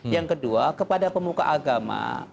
yang kedua kepada pemuka agama